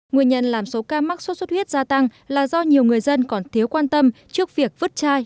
nguyên nhân làm số ca mắc sốt xuất huyết gia tăng là do nhiều người dân còn thiếu quan tâm trước việc vứt chai